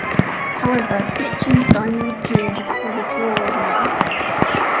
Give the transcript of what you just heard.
However, Liechtenstein withdrew before the draw was made.